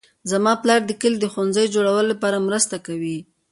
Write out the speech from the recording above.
زما پلار د کلي د ښوونځي د جوړولو لپاره مرسته کوي